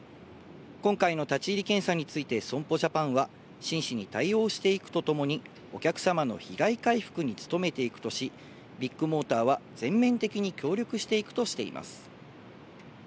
今回の立ち入り検査について損保ジャパンは、真摯に対応していくとともに、お客様の被害回復に努めていくとし、ビッグモーターは、全面的に協力していくとしています。